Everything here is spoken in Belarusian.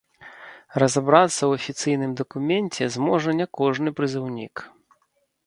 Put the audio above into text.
Разабрацца ў афіцыйным дакуменце зможа не кожны прызыўнік.